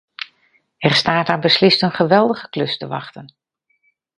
Er staat haar beslist een geweldige klus te wachten.